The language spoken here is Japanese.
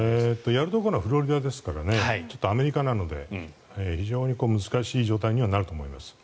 やるところはフロリダですからアメリカですので非常に難しい状態にはなると思います。